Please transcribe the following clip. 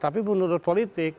tapi menurut politik